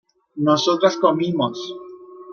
nosotras comimos